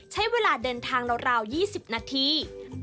ใช้เวลาเดินทางราว๒๐นาที